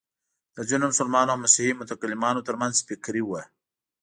د ځینو مسلمانو او مسیحي متکلمانو تر منځ فکري وه.